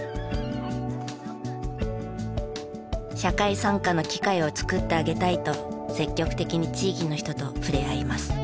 社会参加の機会を作ってあげたいと積極的に地域の人と触れ合います。